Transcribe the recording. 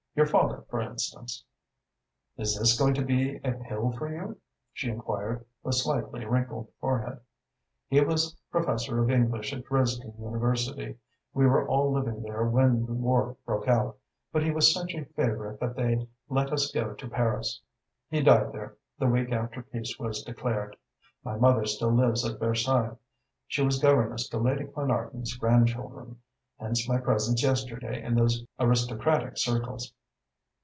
"Your father, for instance?" "Is this going to be a pill for you?" she enquired, with slightly wrinkled forehead. "He was professor of English at Dresden University. We were all living there when the war broke out, but he was such a favourite that they let us go to Paris. He died there, the week after peace was declared. My mother still lives at Versailles. She was governess to Lady Clanarton's grandchildren, hence my presence yesterday in those aristocratic circles."